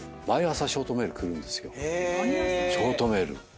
ショートメール。